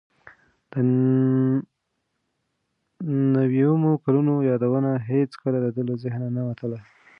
د نویمو کلونو یادونه هیڅکله د ده له ذهنه نه وتل.